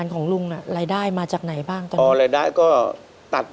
ก็คือไม้แถวบ้านอย่างนี้แหละครับ